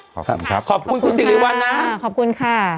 ขอบคุณครับขอบคุณคุณสิริวัลนะขอบคุณค่ะ